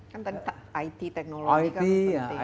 kan tadi it teknologi kan penting